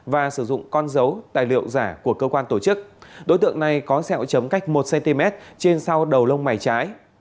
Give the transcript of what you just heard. và sử dụng con dấu tài liệu giả của cơ quan tổ chức đối tượng này có xeo chấm cách một cm trên sau đầu lông mày trái